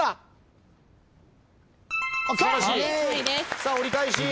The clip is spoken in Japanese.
さあ折り返し。